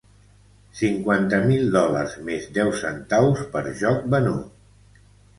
Cinquanta mil dòlars més deu centaus per joc venut.